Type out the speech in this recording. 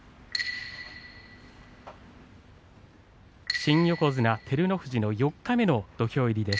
新横綱照ノ富士の四日目の土俵入りです。